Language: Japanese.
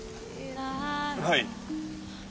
はい。